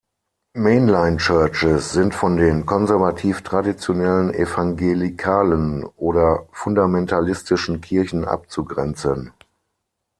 Mainline Churches sind von den konservativ-traditionellen, evangelikalen oder fundamentalistischen Kirchen abzugrenzen.